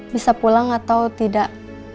bisa pulang atau tidak